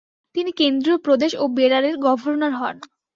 তিনি কেন্দ্রীয় প্রদেশ ও বেরারের গভর্নর হন।